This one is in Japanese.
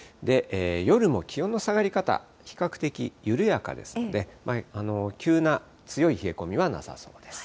夜も気温の下がり方、比較的緩やかですので、急な強い冷え込みはなさそうです。